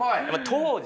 当時。